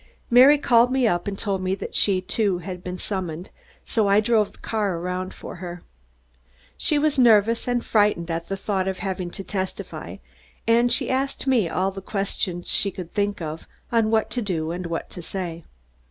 Mary called me up and told me that she, too, had been summoned, so I drove the car around for her. She was nervous and frightened at the thought of having to testify and she asked me all the questions she could think of on what to do and what to say.